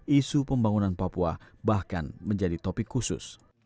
isu pembangunan papua bahkan menjadi topik khusus